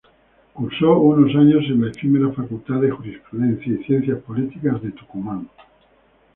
Cursó unos años en la efímera Facultad de Jurisprudencia y Ciencias Políticas de Tucumán.